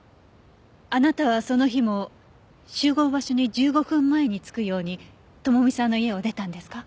あなたはその日も集合場所に１５分前に着くように智美さんの家を出たんですか？